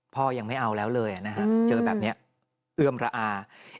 พ่อยังไม่เอาแล้วเลยนะฮะเจอแบบนี้เอื้อมระอา